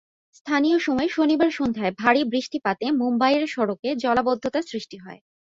স্থানীয় সময় শনিবার সন্ধ্যায় ভারী বৃষ্টিপাতে মুম্বাইয়ের সড়কে জলাবদ্ধতা সৃষ্টি হয়।